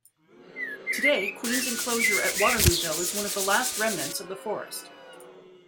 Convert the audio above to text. Today Queens Inclosure at Waterlooville is one of the last remnants of the forest.